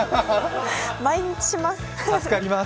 毎日します。